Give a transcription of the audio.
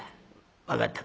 分かったか？」。